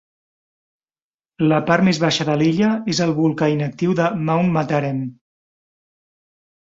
La part més baixa de l'illa és el volcà inactiu de Mount Matarem.